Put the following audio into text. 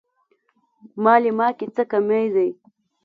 مالې ما کې څه کمی دی.